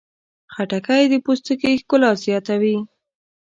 خټکی د پوستکي ښکلا زیاتوي.